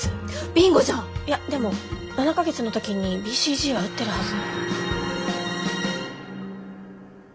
いやでも７か月の時にＢＣＧは打ってるはず。